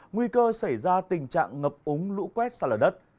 nguy cơ xảy ra tình trạng ngập úng lũ quét sạt lở đất